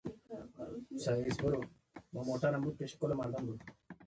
د سوډان ملي مبارز محمداحمد ابن عبدالله المهدي.